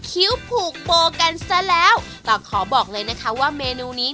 คิ้วผูกโบกันซะแล้วแต่ขอบอกเลยนะคะว่าเมนูนี้